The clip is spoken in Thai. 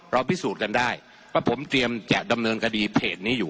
พิสูจน์กันได้ว่าผมเตรียมจะดำเนินคดีเพจนี้อยู่